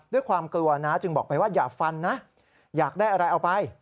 ด้วยความกลัวนะจึงบอกไปว่าอย่าฟันนะอยากได้อะไรเอาไป